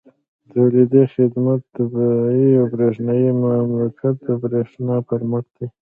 تولیدي، خدماتي، طباعتي او برېښنایي مکالمات د برېښنا پر مټ دي.